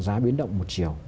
giá biến động một triệu